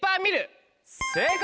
正解！